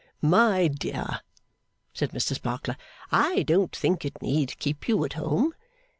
'My dear,' said Mr Sparkler. 'I don't think it need keep you at home.